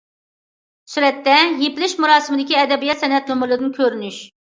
سۈرەتتە: يېپىلىش مۇراسىمىدىكى ئەدەبىيات- سەنئەت نومۇرلىرىدىن كۆرۈنۈش.